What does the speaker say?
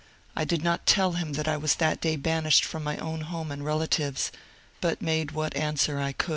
I did not tell him that I was that day banished from my own home and relatives, but made what answer I could.